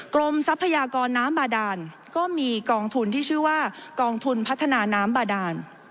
ทรัพยากรน้ำบาดานก็มีกองทุนที่ชื่อว่ากองทุนพัฒนาน้ำบาดาน